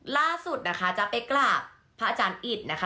ล่าสุดนะคะจะไปกราบพระอาจารย์อิตนะคะ